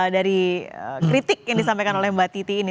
dari kritik yang disampaikan oleh mbak titi ini